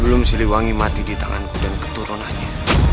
luangi mati di tanganku dan keturunannya